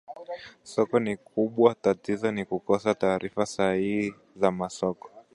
Soko ni kubwa tatizo ni kukosa taarifa sahihi za masoko